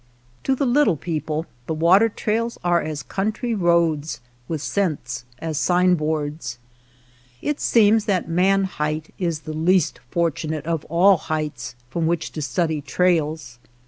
To the little people the water trails are as country roads, with scents as signboards. 25 WATER TRAILS OF THE CERISO It seems that man height is the least fortunate of all heights from which to study trails.